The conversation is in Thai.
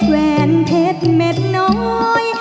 แหวนเพชรเม็ดน้อย